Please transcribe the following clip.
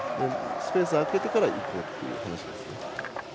スペースを空けてからいこうという話です。